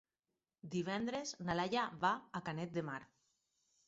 Divendres na Laia va a Canet de Mar.